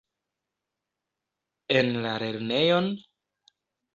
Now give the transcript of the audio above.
En la lernejon?